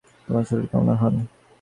তোমার শরীর কেমন এখন?